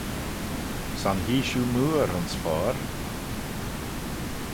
Son hee shiu mooar ayns foayr.